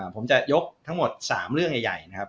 ผมจะยกทั้งหมด๓เรื่องใหญ่นะครับ